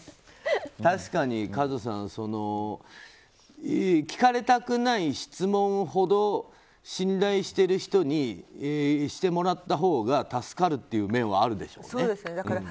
確かに、和津さん聞かれたくない質問ほど信頼してる人にしてもらったほうが助かるっていう面はあるでしょうね。